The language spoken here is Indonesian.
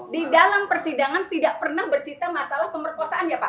di dalam persidangan tidak pernah bercerita masalah pemerkosaan ya pak